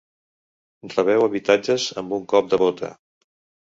Robeu habitatges amb un cop de bota.